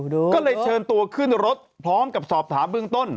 ก็เลยเชิญตัวขึ้นรถพร้อมกับสอบถามเบื้องต้น